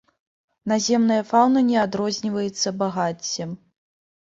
Наземная фаўна не адрозніваецца багаццем.